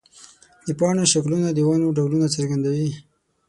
د پاڼو شکلونه د ونو ډولونه څرګندوي.